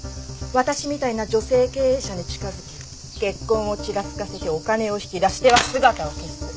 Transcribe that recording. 私みたいな女性経営者に近づき結婚をちらつかせてお金を引き出しては姿を消す。